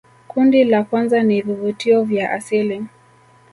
kundi la kwanza ni vivutio vya asili